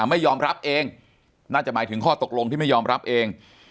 ไม่ยอมรับเองน่าจะหมายถึงข้อตกลงที่ไม่ยอมรับเอง